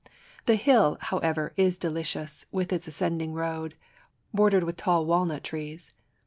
The hill, how ever, is delicious, with its ascending road, bordered with tall walnut trees.